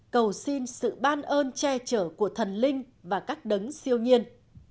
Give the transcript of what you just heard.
cầu xin sự ban ơn che chở của thần linh và các đấng siêu nhiên